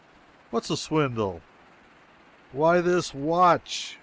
"What's a swindle?" "Why, this watch.